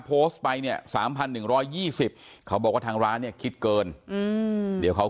โพสต์ไปเนี่ย๓๑๒๐เขาบอกว่าทางร้านเนี่ยคิดเกินเดี๋ยวเขา